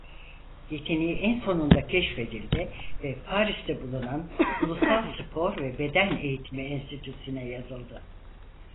Yeteneği en sonunda keşfedildi ve Paris'te bulunan Ulusal Spor ve Beden Eğitimi Enstitüsü'ne yazıldı.